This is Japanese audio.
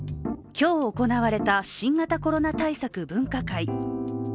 今日行われた、新型コロナ対策分科会。